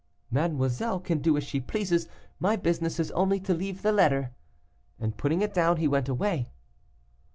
'Mademoiselle can do as she pleases; my business is only to leave the letter,' and putting it down, he went away.